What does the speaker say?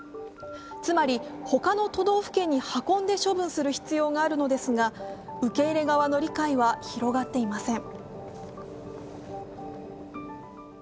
つまり、他の都道府県に運んで処分する必要があるのですが、受け入れ側の理解は広がっていません。